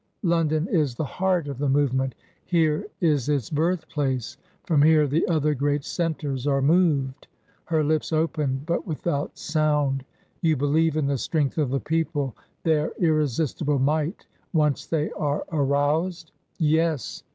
" London is the heart of the movement. Here is its birthplace. From here the other great centres are moved." Her lips opened, but without sound. " You believe in the strength of the people, their irre sistible might, once they are aroused ?" "Yes."